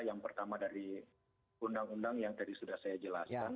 yang pertama dari undang undang yang tadi sudah saya jelaskan